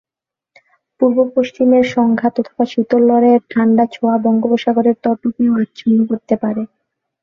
পূর্ব-পশ্চিমের সংঘাত অথবা শীতল লড়াইয়ের ঠান্ডা ছোঁয়া বঙ্গোপসাগরের তটকেও আচ্ছন্ন করতে পারে।